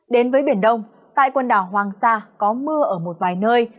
đến với biển đông tại quần đảo hoàng sa có mưa ở một vài nơi